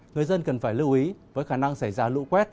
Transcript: người dân cần phải lưu ý với khả năng xảy ra lũ quét